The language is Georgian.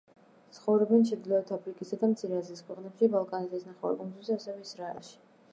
ცხოვრობენ ჩრდილოეთ აფრიკისა და მცირე აზიის ქვეყნებში, ბალკანეთის ნახევარკუნძულზე, ასევე ისრაელში.